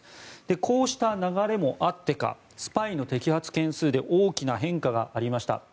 こうした流れもあってかスパイの摘発件数で大きな変化がありました。